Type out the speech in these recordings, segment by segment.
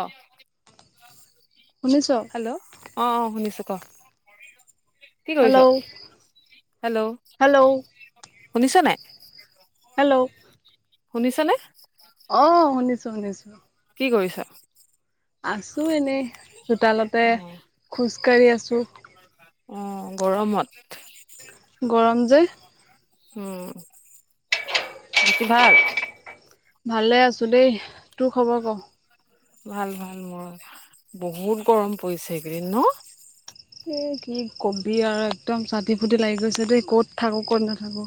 অ, শুনিছ? হেল্ল' অ অ শুনিছোঁ ক? কি কৰিছ? হেল্ল' হেল্ল', হেল্ল' শুনিছ নাই? হেল্ল' শুনিছ নে? অ শুনিছোঁ শুনিছোঁ। কি কৰিছা? আছোঁ এনেই চোতালতে অ খোজকাঢ়ি আছোঁ। অ গৰমত গৰম যে উম। বাকী ভাল? ভালে আছো দেই। তোৰ খবৰ ক? ভাল ভাল মোৰ। বহুত গৰম পৰিছে এইকেইদিন ন? এ কি কবি আৰু একদম চাটি ফুটি লাগি গৈছে দেই ক'ত থাকো ক'ত নাথাকো।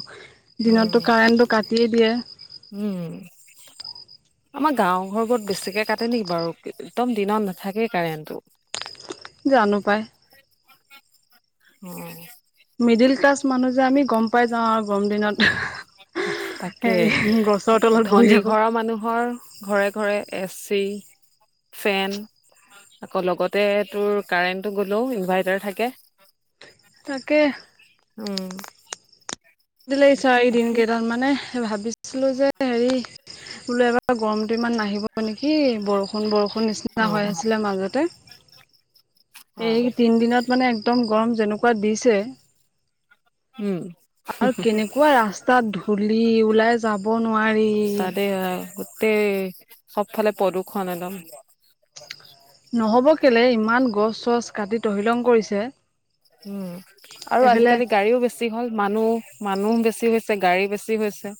উম দিনততো কাৰেণ্টটো কাটিয়েই দিয়ে। উম আমাৰ গাঁও-ঘৰবোৰত বেছিকে কাটে নেকি বাৰু একদম দিনত নাথাকেই কাৰেণ্টটো। [unintelligible] জানো পায়। উম। মিডিল ক্লাছ মানুহ যে আমি গম পাই যাওঁ আৰু গৰম দিনত। তাকে, হেৰি গছৰ তলত বহি ধনী থাকো ঘৰৰ মানুহৰ ঘৰে ঘৰে এ চি, ফেন আকৌ লগতে তোৰ কাৰেণ্টটো গলেও ইনভাৰ্টাৰ থাকে। তাকে। উম দিলে চ এইদিন বাকী কেইডাল মানে ভাবিছিলো যে হেৰি বোলো এবাৰ গৰমটো ইমান নাহিব নেকি বৰষুণ বৰষুণ অ নিচিনা হৈ আছিলে মাজতে। অ এই তিন দিনত মানে একদম গৰম যেনেকুৱা দিছে। উম। আৰু কেনেকুৱা ৰাস্তাত ধূলি ওলাই যাব নোৱাৰি। সবফালে প্ৰদূষণ নে ন। নহব কেলে ইমান গছ চছ কাটি তহিলং কৰিছে। উম আৰু এইফালে আজিকালি গাড়ীও বেছি হ'ল মানুহ মানুহ বেছি হৈছে গাড়ী বেছি হৈছে।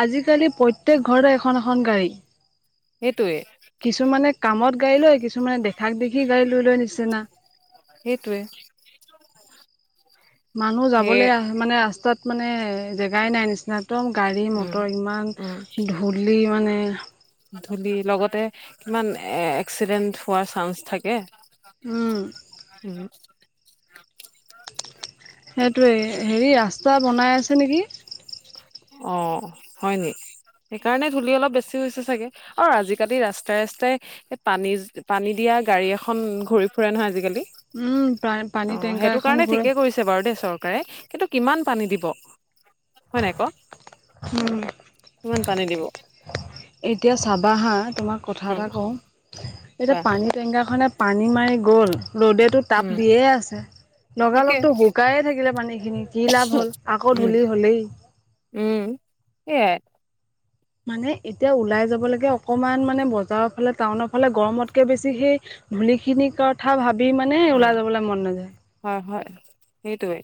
আজিকালি প্ৰত্যেক ঘৰতে এখন এখন গাড়ী। সেইটোৱে কিছুমানে কামত গাড়ী লয়, কিছুমানে দেখ- সেইটোৱে। মানুহ সেয়ে যাবলৈ আহ মানে ৰাস্তাত মানে জেগাই নাই নিচিনা একদম গাড়ী উম মটৰ ইমান উম ধূলি মানে। ধূলি লগতে কিমান এ এক্সিডেন্ট হোৱাৰ চান্স থাকে। উম উম। সেইটোৱে হেৰি ৰাস্তা বনাই আছে নেকি? অ' হয় নি! সেইকাৰণে ধূলি অলপ বেছি হৈছে চাগে আৰু আজিকালি ৰাস্তাই ৰাস্তাই পানী পানী দিয়া গাড়ী এখন ঘূৰি ফুৰে নহয় আজিকালি। উম অ পানী টেংকাৰ সেইটো এখন কাৰণে গৈ ঠিকে কৰিছে বাৰু দে চৰকাৰে। কিন্তু কিমান পানী দিব হয় নাই ক? উম কিমান পানী দিব? এতিয়া চাবা হা তোমাক কথা উম এটা কওঁ এতিয়া কোৱা পানী টেংকাৰখনে পানী মাৰি গ'ল ৰ'দেটো তাপ উম দিয়ে আছে। তাকে লগালগতো শুকায়ে থাকিলে পানী খিনি কি লাভ হল আকৌ উম ধূলি হলেই। উম, সেইয়াই। মানে এতিয়া ওলাই যাব লাগে অকমান মানে বজাৰৰ ফালে টাউনৰ ফালে গৰমতকে বেছি সেই ধূলি খিনি কথা ভাবি মানে উম ওলাই যাবলৈ মন নাযায়। হয় হয় সেইটোৱে।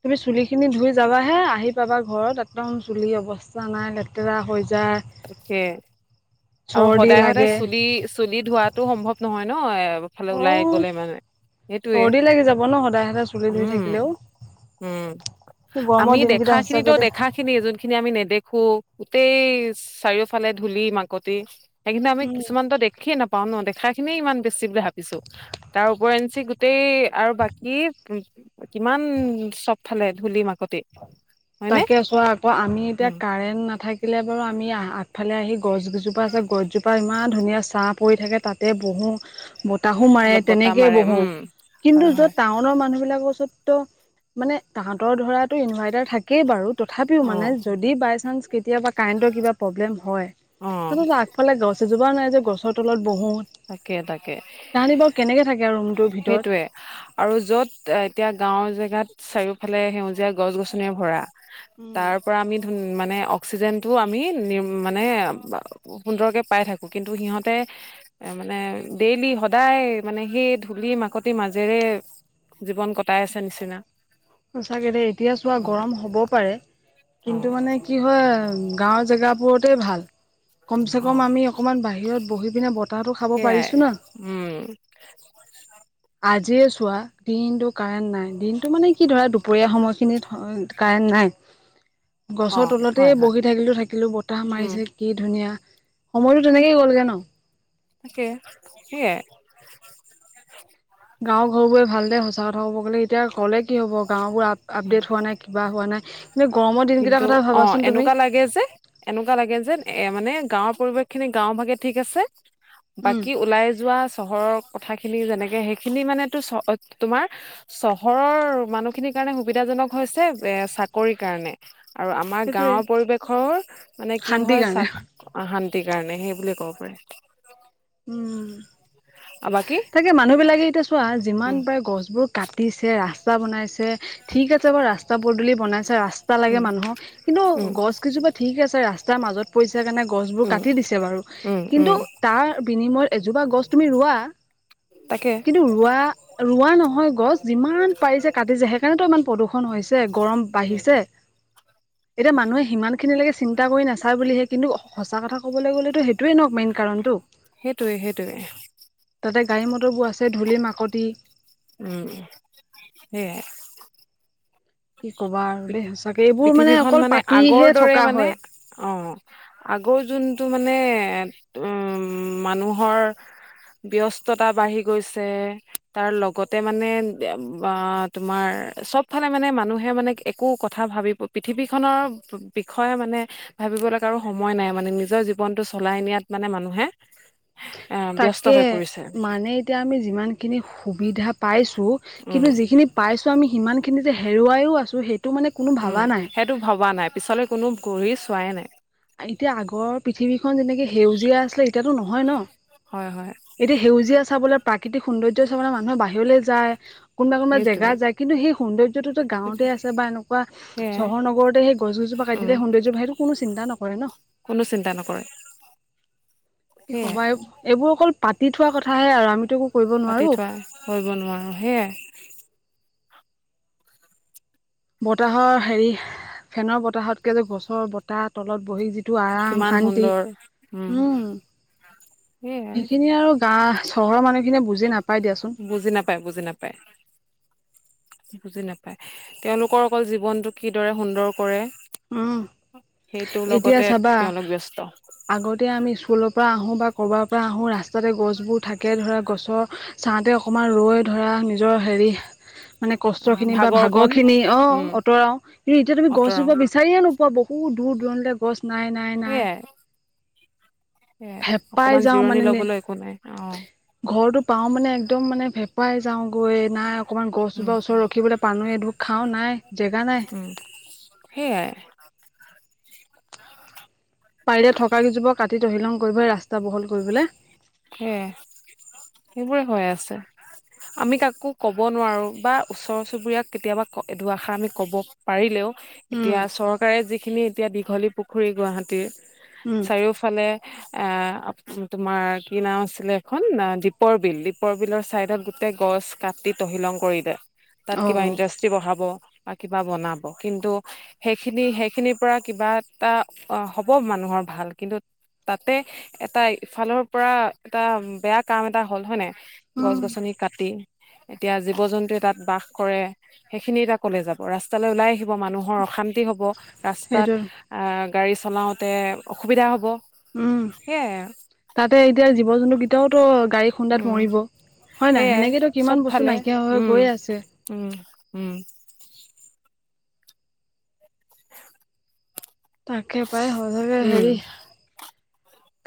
তুমি চুলি খিনি ধুই যাবাহে, আহি পাবা ঘৰত একদম চুলি অৱস্থা নাই লেতেৰা হৈ যা তাকে, আৰু চৰ্দি সদায় সদায় লাগে চুলি - চুলি ধোৱাটো সম্ভৱ নহয় ন এপ ফালে অ ওলাই গলে মানে, সেইটোৱে। চৰ্দি লাগি যাব ন সদায় সদায় চুলি ধুই উম। থাকিলেও উম, গৰমৰ আমি দিনকেইটা দেখাখিনিতো সঁচাকে দেই দেখাখিনিয়ে যোনখিনি আমি নেদেখ- খু গোটেই চাৰিওফালে ধূলি মাকতি। সেইগিদিনা আমি উম কিছুমানতো দেখিয়ে নাপাওঁ ন দেখা- খিনি ইমান বেছি বুলি ভাবিছো তাৰ উপৰিঞ্চি গোটেই আৰু বাকী কিমান চবফালে ধূলি মাকতি। হয়নে তাকে চোৱা আক আমি এতিয়া উম কাৰেণ্ট নাথাকিলে বাৰু আমি আ আগফালে আহি গছ গিজোপা আছে গছজোপা ইমান ধুনীয়া ছা পৰি থাকে তাতে বহোঁ। বতাহো মাৰে অলপ বতাহ তেনেকে মাৰে বহোঁ, উম কিন্তু হয় যত হয় টাউনৰ মানুহ বিলাকৰ ওচৰত- ত মানে তাহাঁতৰ ধৰাটো ইনভাৰ্টাৰ থাকেই বাৰু তথাপিও অ মানে যদি বাই চান্স কেতিয়াবা কাৰেণ্টৰ কিবা প্ৰব্লেম হয়, অ সেতত আগফালে গছ এজোপা নাই যে গছৰ তলত বহোঁ। তাকে তাকে তাহাতি বাৰু কেনেকে থাকে আৰু ৰুমটো সেইটোৱে আৰু য'ত এতিয়া গা গাঁও জেগাত চাৰিওালে সেউজীয়া গছ-গছনিৰে ভৰা, উম তাৰ পৰা আমি ধু মানে অক্সিজেনটো আমি নিম মানে সুন্দৰকে পাই থাকোঁ। কিন্তু সিহঁতে মানে ডেইলি-সদায় মানে সেই ধূলি-মাকতিৰ মাজেৰে, জীৱন কটাই আছে নিচিনা। সচাকে দে, এতিয়া চোৱা অ', গৰম হ'ব পাৰে কিন্তু অ', মানে কি হয় গাঁৱৰ জেগাবোৰতে ভাল। কমচেকম অ', আমি অকণমান বাহিৰত বহি পিনে বতাহটো খাব সেয়াই পাৰিছোঁ না। উম, আজিয়ে চোৱা, দিনটো কাৰেণ্ট নাই। দিনটো মানে কি ধৰা দুপৰীয়া সময়খিনিত কাৰেণ্ট নাই? গছৰ অ', তলতে হয়, হয়, বহি থাকিলোঁ-থাকিলোঁ, বতাহ উম, মাৰিছে কি ধুনীয়া। সময়ো তেনেকেই গ'লগে ন'। তাকে, সেইয়াই গাঁও ঘৰবোৰে ভাল দে সঁচা কথা ক'ব গ'লে, এতিয়া ক'লে কি হ'ব গাঁওবোৰ উম, আপডেট হোৱা নাই কিবা হোৱা নাই। এনে গৰমৰ কিন্তু দিনকেইটাৰ কথা ভাবাচোন তুমি ইয়াত যেন এ মানে গাঁৱত পৰিৱেশ খিনি গাঁওভাগে ঠিক আছে। উম বাকী ওলাই যোৱা চহৰৰ কথা খিনি যেনেকে, সেইখিনি মানে তো চ তোমাৰ চহৰৰ মানুহ খিনিক সেইকাৰণে সুবিধাজনক হৈছে, এ চাকৰিৰ কাৰণে। আৰু আমাৰ সেইটোৱে গাঁৱৰ পৰিৱেশৰ মানে কি শান্তিৰ হয় কাৰণে চাক শান্ত কাৰণে সেই বুলি ক'ব পাৰে। উম' তাকেই মানুহবিলাকে এতিয়া চোৱা যিমান উম পাৰে গছবোৰ কাটিছে, ৰাস্তা বনাইছে। ঠিক আছে বাৰু ৰাস্তা পদুলি বনাইছে, ৰাস্তা লাগে উম মানুহক কিন্তু উম গছ কেইজোপা ঠিক আছে ৰাস্তা তাৰ মাজত পৰিছে কাৰণে গছবোৰ উম কাটি দিছে বাৰু উম কিন্তু উম তাৰ বিনিময়ত এজোপা গছ তুমি ৰোৱা। তাকে কিন্তু ৰোৱা ৰোৱা নহয় গছ, যিমান পাৰিছে কাটিছে সেইকাৰণেতো ইমান প্ৰদূষণ হৈছে, গৰম বাঢ়িছে। এতিয়া মানুহে সিমান খিনিলৈকে চিন্তা কৰি নাচায় বুলিহে, কিন্তু সঁচা কথা ক'বলৈ গ'লেতো সেইটোয়ে ন মেইন কাৰণটো সেইটোৱে-সেইটোৱে তাতে গাড়ী-মটৰবোৰ আছে ধূলি-মাকতি। সেইয়া। কি কবা আৰু দে পৃথিৱীখন মানে আগৰ দৰে মানে হয় অ, আগৰ যোনটো মানে এ উম' মানুহৰ ব্যস্ততা বাঢ়ি গৈছে, তাৰ লগতে মানে বা তোমাৰ সব ফালে মানে মানুহে মানে একো কথা ভাবি পৃথিৱীখনৰ বিষয়ে মানে ভাবিবলৈ কাৰো সময় নাই মানে নিজৰ জীৱনটো চলাই নিয়া ইয়াত মানে মানুহে এ ব্যস্ত তাকে হৈ পৰিছে। মানে এতিয়া আমি যিমান খিনি সুবিধা পাইছো। উম, কিন্তু যিখিনি পাইছো, আমি সিমানখিনি যে হেৰুৱাইও আছো। সেই উম' সেইটো ভবা নাই, পিছলৈ কোনো ঘূৰি চোৱাই নাই। এতিয়া আগৰ পৃথিৱীখন যেনেকে সেউজীয়া আছিলে, এতিয়াতো নহয় ন হয়, হয়। এতিয়া সেউজীয়া চাবলৈ প্ৰাকৃতিক সৌন্দৰ্য চাবলৈ মানুহে বাহিৰলৈ যায় কোনোবা-কোনোবা সেইটোৱে জেগাত যায় কিন্তু সেই সৌন্দৰ্যটোতো গাঁৱতে আছে বা এনেকুৱা সেয়াই চহৰ নগৰতে সেই গছ-গছজোপা কাটি উম, দিলে সৌন্দৰ্য বাঢ়ে, সেইটো কোনো চিন্তা নকৰে ন। কোনো চিন্তা নকৰে কি সেয়াই ক'বা এই-এইবোৰ অকল পাতি থোৱা কথাহে আৰু, আমিতো একো কৰিব পাতি নোৱাৰো থোৱা, কৰিব নোৱাৰো সেইয়াই। বতাহৰ হেৰি, ফেনৰ বতাহতকে যে গছৰ বতাহ তলত বহি যিটো আৰাম কিমান শান্তি সুন্দৰ উম ওম সেয়াই সেইখিনিে আৰু গা চহৰৰ মানুহখিনিয়ে বুজ- বুজি নাপায় বুজি নাপায়। বুজি নাপায় তেওঁলোকৰ অকল জীৱনটো কিদৰে সুন্দৰ কৰে। ওম। সেইটোৰ এতিয়া লগতে চাবা তেওঁলোক ব্যস্ত আগতে আমি স্কুলৰ পৰা আহোঁ বা ক'ৰবাৰ পৰা আহোঁ ৰাস্তাতে গছবোৰ থাকে ধৰা গছৰ চাওঁতে অকণমান ৰৈ ধৰা নিজৰ হেৰি মানে কষ্ট খিনি বা ভাগৰ খিনি অ উম আঁতৰাও কিন্তু এতিয়া তুমি অতৰাও গছজোপা বিচাৰিয়ে নোপোৱা বহুত দূৰ-দূৰনিলে গছ নাই নাই নাই। সেয়াই সেয়াই হেপাই অকমান যাওঁ জিৰণি মানে নে লবলৈ একো নাই অ ঘৰটো পাওঁ মানে, একদম মানে ভেপাই যাওঁ গৈ নাই অকণমান উম গছজোপা ওচৰত ৰখিবলৈ পানো এঢোক খাওঁ নাই জেগা নাই। উম সেয়াই পাৰিলে থকা কেইজোপাও কাটি তহিলং কৰিব ৰাস্তা বহল কৰিবলৈ। সেয়া, সেইবোৰে হৈ আছে। আমি কাকো কব নোৱাৰো বা ওচৰ চুবুৰীয়াক কেতিয়াবা দুৱাষাৰ আমি কব পাৰিলেও। উম এতিয়া চৰকাৰে যিখিনি এতিয়া দীঘলী পুখুৰী গুৱাহাটীৰ উম চাৰিওফালে এ তোমাৰ কি নাম আছিলে এখন দীপৰ বিল, দীপৰ বিলৰ চাইদত গোটেই গছ কাটি তহিলং কৰিলে। তাত অ কিবা ইণ্ডাষ্ট্ৰি বঢ়াব বা কিবা বনাব কিন্তু সেইখিনি- সেইখিনিৰ পৰা কিবা এটা অ হ'ব মানুহ ঘৰ ভাল কিন্তু তাতে এটা ইফালৰ পৰা এটা বেয়া কাম এটা হ'ল, হয় নাই? উম গছ- গছনি কাটি এতিয়া জীৱ জন্তু তাত বাস কৰে সেইখিনি এতিয়া কলে যাব ৰাস্তালৈ ওলাই আহিব মানুহৰ অশান্তি হব। ৰাস্তাত সেইটোৱে আ গাড়ী চলাওতে অসুবিধা হ'ব উম, সেয়াই তাতে এতিয়া জীৱ জন্তুকেইটাওতো গাড়ী খুন্দাত উম মৰিব। হয় নাই? সেয়াই সেনেকেতো চব কিমান বস্তু ফালে নাইকিয়া হৈ উম গৈ আছে। উম উম তাকে পাই সচাগে উম হেৰি,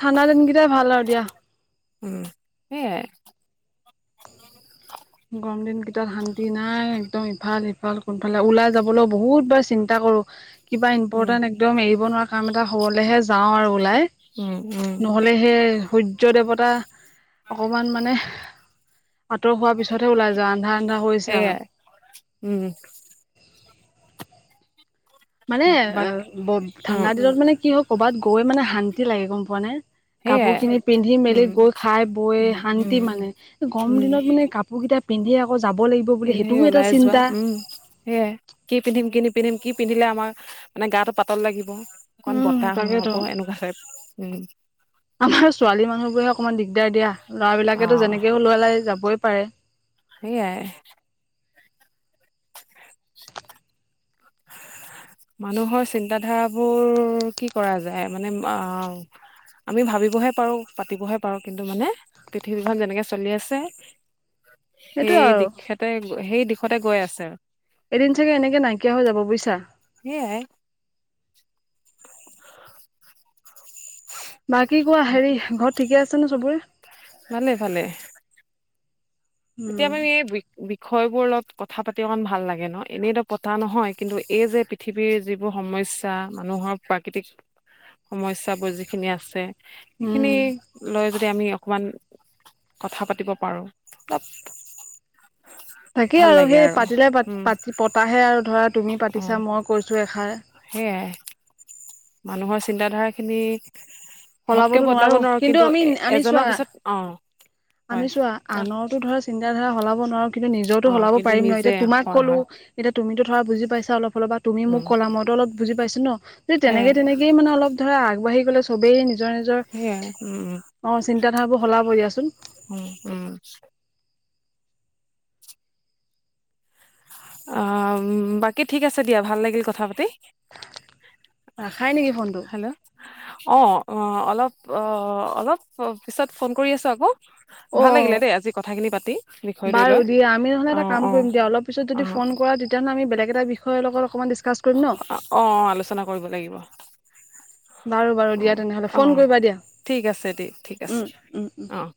ঠাণ্ডা দিনকেইটাই ভাল আৰু দিয়া। উম সেইয়াই। গৰম দিন কেইটাত শান্তি নাই, একদম ইফাল-সিফাল কোনফালে ওলাই যাবলৈও বহুত বাৰ চিন্তা। কৰো কিবা উম ইম্পৰ্টেণ্ট একদম এৰিব নোৱাৰা কাম এটা হবলেহে যাওঁ আৰু ওলাই উম উম নহলে সেই সূৰ্য দেৱতা অকমান মানে আঁতৰ হোৱাৰ পিছতহে ওলাই যোৱা আন্ধাৰ আন্ধাৰ হৈছে আৰু সেয়াই উম মানে অ বাক ব অ ঠাণ্ডা দিনত মানে কি হয় কৰ'বাত গৈ মানে শান্তি লাগে গম পোৱা নে? কাপোৰ সেয়াই খিনি পিন্ধি মেলি উম গৈ খাই বৈ উম উম শান্তি মানে গৰম উম দিনত মানে কাপোৰ গিটাইপ পিন্ধি আকৌজ পিন্ধি ওলাই যোৱা, উম, সেয়াই, কি পিন্ধিম কিনি পিন্ধিম, কি পিন্ধিলে আমাৰ মানে গাটো পাতল লাগিব, অকণমান উম বতাহ সোমাব তাকেতো এনেকুৱা টাইপ। উম। আমাৰ ছোৱালী মানুহ বোৰে অকনমান দিগদাৰ দিয়া, ল'ৰা অ বিলাকেতো যেনেকে ওলাই লৈ যাবই পাৰে। সেইয়াই। [inaudible] মানুহৰ চিন্তা ধাৰাবোৰ কি কৰা যায় মানে অ আমি ভাবিবহে পাৰো, পাতিবহে পাৰো কিন্তু মানে পৃথিৱীখন যেনেকে চলি আছে সেইটোয়ে সেই আৰু দিশেতে, সেই দিশতে গৈ আছে আৰু এদিন চাগে এনেকে নাইকিয়া হৈ যাব বুজিছা। সেয়াই। বা কি কোৱা হেৰি, ঘৰত ঠিকে আছে নে চবৰে। ভালে-ভালে। এতিয়া উম মানে বি বি [unintelligible] বিষয়বোৰ অলপ কথা পাতি অকন ভাল লাগে ন? এনেইতো পতা নহয় কিন্তু এই যে পৃথিৱীৰ যিবোৰ সময় সমস্যা মানুহৰ প্ৰাকৃতিক সমস্যাবোৰ যিখিনি আছে সেইখিনি উম লৈ যদি আমি অকণমান কথা পাতিব পাৰোঁ আপ। [unintelligible] তাকেই আৰু সেই পাতিলো পাত উম -পাতি পতাহে আৰু ধৰা তুমি অ পাতিছা মই কৈছো এষাৰ। সেয়াই মানুহৰ চিন্তাধাৰা খিনি ঘপকে সলাবতো বদলাব নোৱাৰো কিন্তু আমি এ আমি এজনৰ চোৱা পিছত, অ হয় আমি চোৱা অ আনৰটো ধৰা চিন্তা ধাৰা সলাব নোৱাৰো। কিন্তু নিজৰ তো অ', সলাব কিন্তু পাৰিম ন, নিজে এতিয়া তোমাক হয় কলো হয় এতি তুমিটো ধৰা বুজি পাইছা অলপ হ'লেবা তুমি উম মোক ক'লা মই ত অলপ বুজি পাইছো ন তেনেকে সেয়াই তেনেকে মানে অলপ ধৰা আগবাঢ়ি গ'লে চবেই নিজৰ নিজৰ সেয়াই উম অ চিন্তা ধাৰাবোৰ সলাব দিয়াচোন। উ উম। অ বাকী ঠিক আছে দিয়া ভাল লাগিল কথা পাতি। ৰাখাই নেকি ফোনটো। হেল্ল' অ অ অলপ অলপ পিছত ফোন কৰি আছো আকৌ। অ ভাল লাগিলে দেই আজি কথাখিনি পাতি বিষয়টো লৈ অ অ। তেতিয়া' অ তুমি ফোন কৰা তেতিয়া আমি বেলেগ এটা বিষযে অলপ মান দিচ- অ অ আলোচনা কৰিব লাগিব। বাৰু বাৰু [inaudible] অ দিয়া তেনেহ'লে অ ফোন কৰিবা দিয়া ঠিক আছে দেই ঠিক আছে উম উম অ। [inaudible]